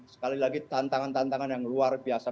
sekali lagi tantangan tantangan yang luar biasa